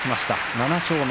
７勝目。